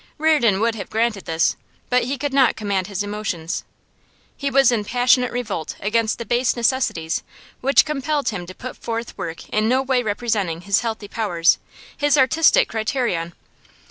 Reardon would have granted this, but he could not command his emotions. He was in passionate revolt against the base necessities which compelled him to put forth work in no way representing his healthy powers, his artistic criterion.